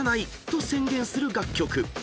［と宣言する楽曲］